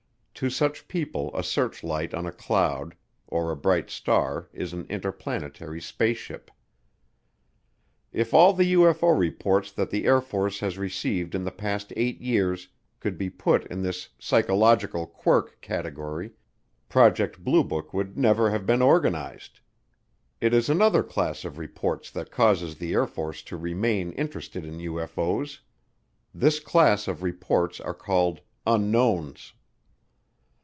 To such people a searchlight on a cloud or a bright star is an interplanetary spaceship. If all the UFO reports that the Air Force has received in the past eight years could be put in this "psychological quirk" category, Project Blue Book would never have been organized. It is another class of reports that causes the Air Force to remain interested in UFO's. This class of reports are called "Unknowns."